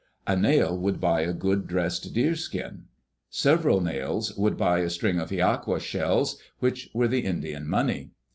A nail would buy a good dressed deerskin. Several nails would buy a string of hiaqua shells, which were the Indian money.